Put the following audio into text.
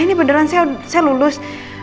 ini beneran saya lulus